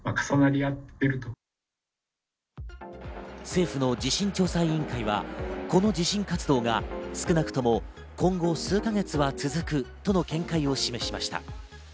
政府の地震調査委員会はこの地震活動が少なくとも今後、数か月は続くとの見解を示しました。